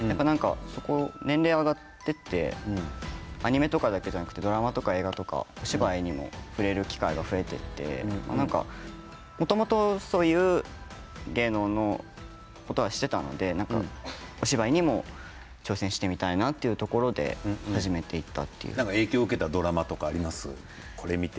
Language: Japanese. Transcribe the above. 年齢が上がっていってアニメとかだけじゃなくてドラマとか映画とかお芝居に触れる機会が増えてもともと、そういう芸能のことはしていたのでお芝居にも挑戦してみたいなというところで影響を受けたドラマはありますか？